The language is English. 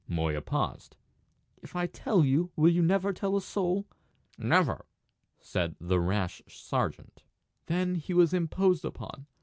Moya paused. "If I tell you will you never tell a soul?" "Never," said the rash sergeant. "Then he was imposed upon.